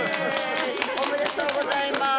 おめでとうございまーす。